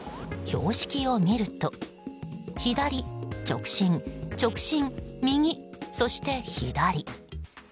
標識を見ると左、直進、直進、右、そして左。